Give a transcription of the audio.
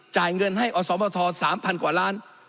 จ่ายเงินให้อสมท๓๐๐กว่าล้าน